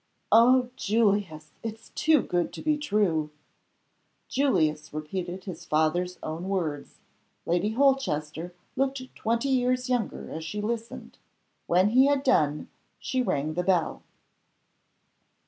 "Oh, Julius! it's too good to be true!" Julius repeated his father's own words. Lady Holchester looked twenty years younger as she listened. When he had done she rang the bell.